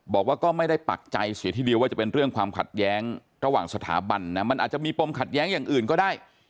บอกว่าก็ไม่ได้ปักใจเสียทีเดียวว่าจะเป็นเรื่องความขัดแย้งระหว่างสถาบันนะมันอาจจะมีปมขัดแย้งอย่างอื่นก็ได้